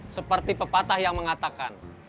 seperti pepatah yang mengatakan